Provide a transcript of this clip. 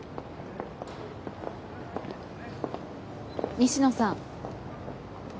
西野さん。